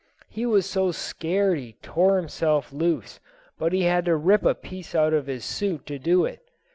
He was so scared he tore himself loose; but he had to rip a piece out of his suit to do it.